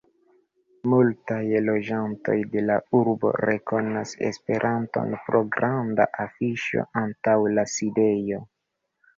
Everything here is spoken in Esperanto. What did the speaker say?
Multaj loĝantoj de la urbo rekonas Esperanton pro granda afiŝo antaŭ la sidejo.